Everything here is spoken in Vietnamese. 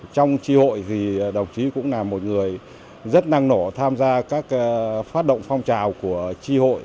trong tri hội thì đồng chí cũng là một người rất năng nổ tham gia các phát động phong trào của tri hội